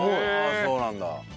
そうなんだ。